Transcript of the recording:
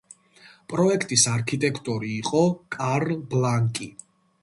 პროექტის არქიტექტორი იყო კარლ ბლანკი.